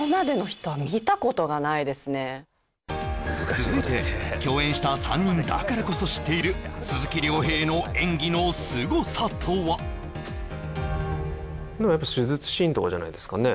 続いて共演した３人だからこそ知っている鈴木亮平の演技のすごさとはとかじゃないですかね